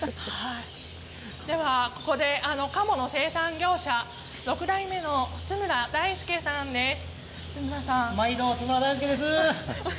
では、ここで鴨の生産業者まいど、津村大介です。